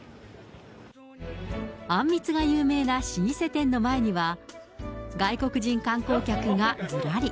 あんみつが有名な老舗店の前には、外国人観光客がずらり。